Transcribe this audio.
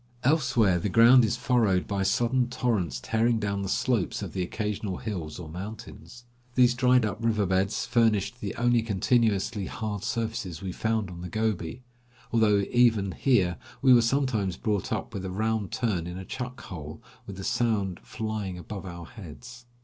Elsewhere the ground is furrowed by sudden torrents tearing down the slopes of the occasional hills or mountains. These dried up river beds furnished the only continuously hard surfaces we found on the Gobi; although even here we were sometimes brought up with a round turn in a chuck hole, with the sand flying above our heads.